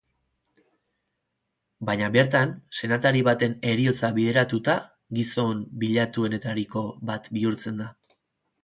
Baina bertan, senatari baten heriotza bideratuta, gizon bilatuenetariko bat bihurtzen da.